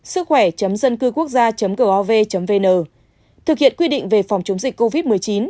sức khỏe dân cư quốc gia gov vn thực hiện quy định về phòng chống dịch covid một mươi chín